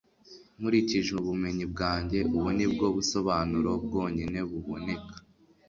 nkurikije ubumenyi bwanjye, ubu ni bwo busobanuro bwonyine buboneka